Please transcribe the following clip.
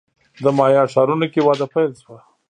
د مایا ښارونو کې وده پیل شوه.